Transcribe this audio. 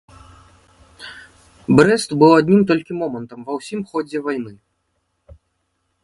Брэст быў адным толькі момантам ва ўсім ходзе вайны.